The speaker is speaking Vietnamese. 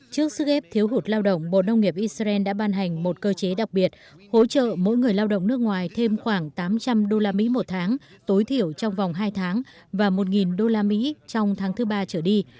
trước sức ép thiếu hụt lao động bộ nông nghiệp israel đã ban hành một cơ chế đặc biệt hỗ trợ mỗi người lao động nước ngoài thêm khoảng tám trăm linh đô la mỹ một tháng tối thiểu trong vòng hai tháng và một đô la mỹ trong tháng thứ ba trở đi